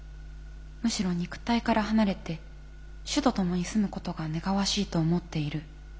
「むしろ肉体から離れて主と共に住むことが願わしいと思っている」と。